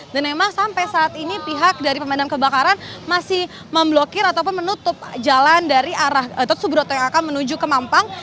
dan memang sampai saat ini pihak dari pemandang kebakaran masih memblokir ataupun menutup jalan dari arah suburoto yang akan menuju ke mampang